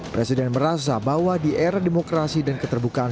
presiden merasa bahwa di era demokrasi dan keterbukaan